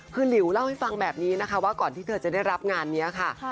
คือหลิวเล่าให้ฟังแบบนี้นะคะว่าก่อนที่เธอจะได้รับงานนี้ค่ะ